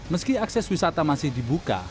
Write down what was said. meski akses wisata masih dibuka